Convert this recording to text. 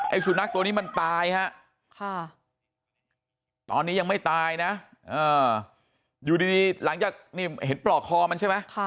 สุนัขตัวนี้มันตายฮะตอนนี้ยังไม่ตายนะอยู่ดีหลังจากนี่เห็นปลอกคอมันใช่ไหม